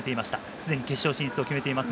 すでに決勝進出を決めています。